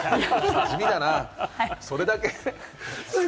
地味だな、それだけ？